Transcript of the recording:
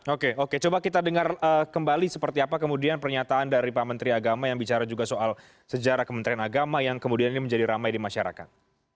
oke oke coba kita dengar kembali seperti apa kemudian pernyataan dari pak menteri agama yang bicara juga soal sejarah kementerian agama yang kemudian ini menjadi ramai di masyarakat